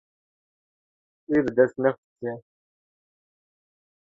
Wî bi dest nexistiye.